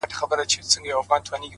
ما به د سترگو کټوري کي نه ساتل گلونه!!